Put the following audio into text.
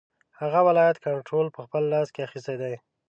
هغه ولایت کنټرول په خپل لاس کې اخیستی دی.